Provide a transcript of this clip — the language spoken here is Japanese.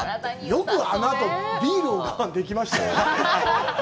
よくあのあとビールを我慢できましたね。